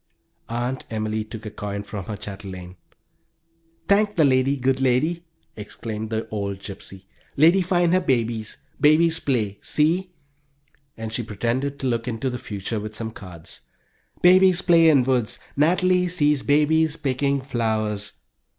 Aunt Emily took a coin from her chatelaine. "Thank the lady! Good lady," exclaimed the old gypsy. "Lady find her babies; babies play see!" (And she pretended to look into the future with some dirty cards.) "Babies play in woods. Natalie sees babies picking flowers."